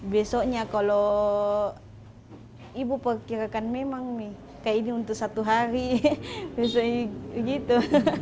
besoknya kalau ibu perkirakan memang nih kayak ini untuk satu hari besok gitu